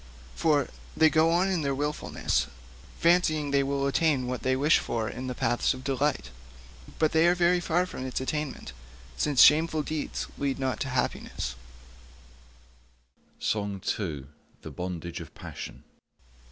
For they go on in their wilfulness fancying they will attain what they wish for in the paths of delight; but they are very far from its attainment, since shameful deeds lead not to happiness.'